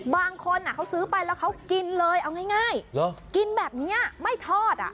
บางคนเขาซื้อไปแล้วเขากินเลยเอาง่ายกินแบบนี้ไม่ทอดอ่ะ